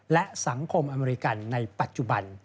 และสังคมอเมริกันในปัจจุบัน